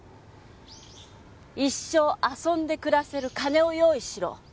一生遊んで暮らせる金を用意しろ。